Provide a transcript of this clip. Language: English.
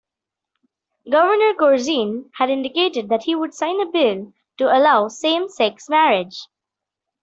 Governor Corzine had indicated that he would sign a bill to allow same-sex marriage.